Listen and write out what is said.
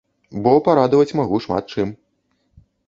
Бо парадаваць магу шмат чым.